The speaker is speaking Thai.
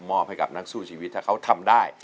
ให้กับนักสู้ชีวิตถ้าเขาทำได้